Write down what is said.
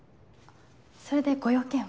それでご用件は？